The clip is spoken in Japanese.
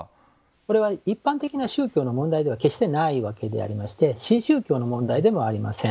これは一般的な宗教の問題では決してないわけでありまして新宗教の問題でもありません。